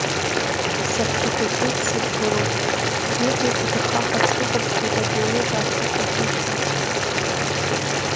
Саҳәшьа хәыҷы дсыдгылоуп, лыблақәа ҭырхаха дсыхәаԥшуеит ак еилылкарц лҭахушәа.